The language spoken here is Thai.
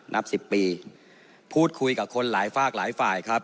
นับสิบปีพูดคุยกับคนหลายฝากหลายฝ่ายครับ